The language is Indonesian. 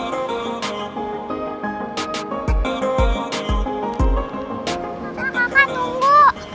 makasih kakak tunggu